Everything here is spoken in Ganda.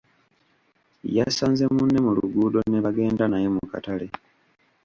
Yasanze munne mu luguudo nebagenda naye mu katale.